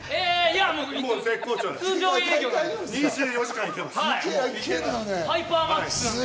いや絶好調です。